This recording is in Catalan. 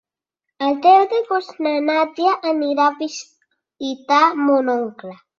El deu d'agost na Nàdia anirà a visitar mon oncle.